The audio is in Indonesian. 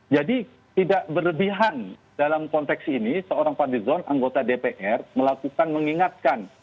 jadi tidak berlebihan dalam konteks ini seorang fadlizon anggota dpr melakukan mengingatkan